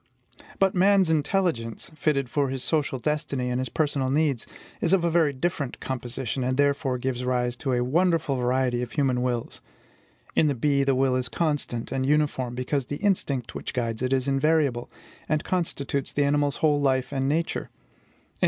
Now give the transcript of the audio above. But man's intelligence, fitted for his social destiny and his personal needs, is of a very different composition, and therefore gives rise to a wonderful variety of human wills. In the bee, the will is constant and uniform, because the instinct which guides it is invariable, and constitutes the animal's whole life and nature.